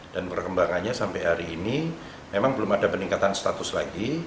dan perkembangannya sampai hari ini memang belum ada peningkatan status lagi